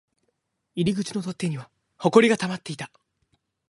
入り口の取っ手には埃が溜まっていた